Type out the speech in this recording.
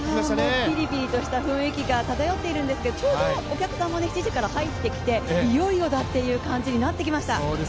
もうピリピリとした雰囲気が高まっているんですけど、ちょうどお客さんも７時から入ってきていよいよだっていう感じになってきました。